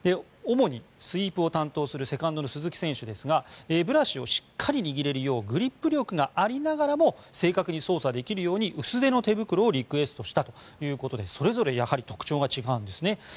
主にスイープを担当するセカンドの鈴木選手ですがブラシをしっかり握れるようグリップ力がありながらも正確に操作できるように薄手の手袋をリクエストしたということでそれぞれやはり特徴が違うんですね。